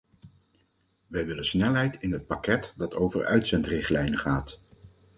Wij willen snelheid in het pakket dat over uitzendrichtlijnen gaat.